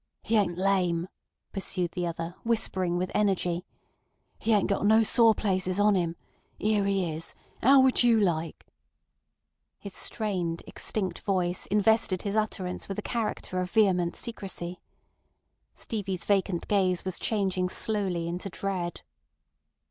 "He ain't lame," pursued the other, whispering with energy. "He ain't got no sore places on 'im. 'Ere he is. 'Ow would you like—" His strained, extinct voice invested his utterance with a character of vehement secrecy. Stevie's vacant gaze was changing slowly into dread.